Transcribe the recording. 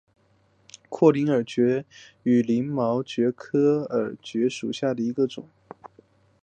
阔鳞耳蕨为鳞毛蕨科耳蕨属下的一个种。